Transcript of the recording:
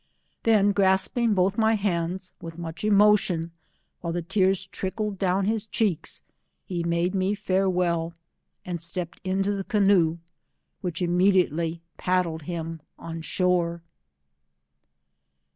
Then grasping both my hands, with much emotion, while the tears trickled down his cheeks, he bade me fare well, and stept into the canoe, which immediately paddled him on shore.